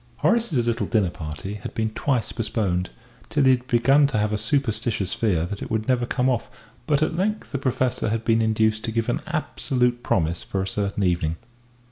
Horace's little dinner party had been twice postponed, till he had begun to have a superstitious fear that it would never come off; but at length the Professor had been induced to give an absolute promise for a certain evening.